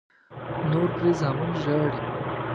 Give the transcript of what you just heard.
نور پرې زامن ژاړي.